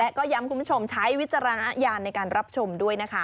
และก็ย้ำคุณผู้ชมใช้วิจารณญาณในการรับชมด้วยนะคะ